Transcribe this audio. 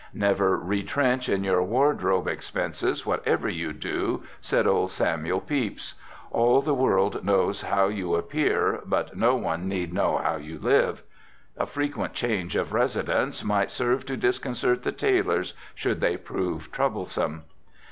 "Never retrench in your wardrobe expenses, whatever you do," said old Samuel Pepys. "All the world knows how you appear, but no one need know how you live." A frequent change of residence might serve to disconcert the tailors, should they prove troublesome.